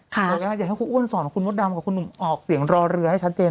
อยากให้คุณอ้วนสอนคุณมดดำกับคุณหนุ่มออกเสียงรอเรือให้ชัดเจน